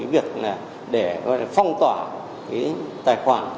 việc để phong tỏa tài khoản